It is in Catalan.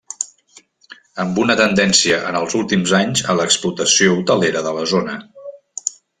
Amb una tendència en els últims anys a l'explotació hotelera de la zona.